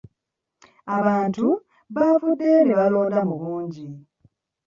Abantu baavuddeyo ne balonda mu bungi.